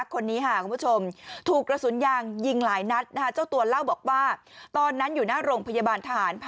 คนนี้ค่ะคุณผู้ชมถูกกระสุนยางยิงหลายนัดเจ้าตัวเล่าบอกว่าตอนนั้นอยู่หน้าโรงพยาบาลทหาร